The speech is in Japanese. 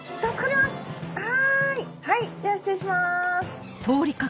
はいはいでは失礼します。